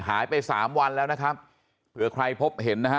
หายไปสามวันแล้วนะครับเผื่อใครพบเห็นนะฮะ